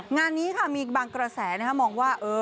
งานนี้ค่ะมีบางกระแสมองว่า